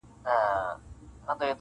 وايه څرنگه پرته وي پړسېدلې-